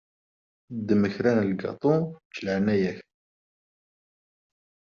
Ddem kra n lgaṭu deg leɛnaya-k.